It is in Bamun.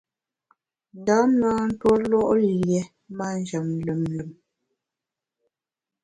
Ndam na ntuólo’ lié manjem lùm lùm.